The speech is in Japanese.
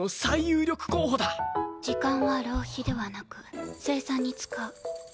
時間は浪費ではなく生産に使う。